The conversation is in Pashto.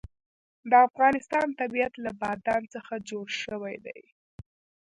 د افغانستان طبیعت له بادام څخه جوړ شوی دی.